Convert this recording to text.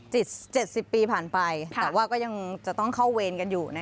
๗๐ปีผ่านไปแต่ว่าก็ยังจะต้องเข้าเวรกันอยู่